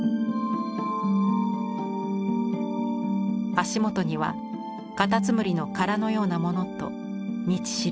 足元にはカタツムリの殻のようなものと道しるべ。